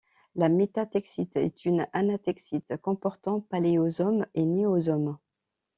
La métatexite est une anatexite comportant paléosome et néosome.